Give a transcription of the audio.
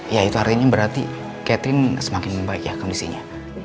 ya itu artinya berarti catherine semakin membaik ya kondisinya